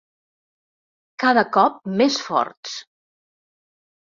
Cada cop més forts.